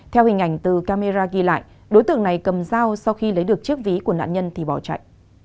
theo hình ảnh từ camera ghi lại đối tượng này cầm dao sau khi lấy được chiếc ví của nạn nhân thì bỏ chạy